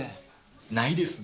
ないですね。